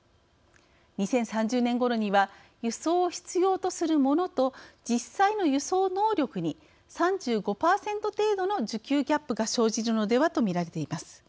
２０３０年ごろには輸送を必要とするモノと実際の輸送能力に３５％程度の需給ギャップが生じるのではとみられています。